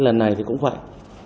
lần này thì cũng vậy